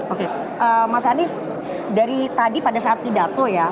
oke mas anies dari tadi pada saat pidato ya